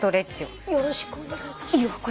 おっよろしくお願いいたします。